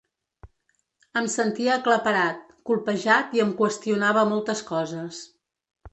Em sentia aclaparat, colpejat i em qüestionava moltes coses.